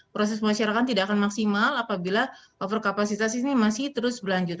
proses pemasyarakat tidak akan maksimal apabila overkapasitas ini masih terus berlanjut